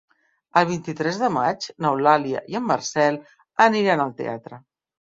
El vint-i-tres de maig n'Eulàlia i en Marcel aniran al teatre.